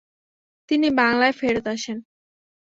তিনি বাংলায় ফেরৎ আসেন।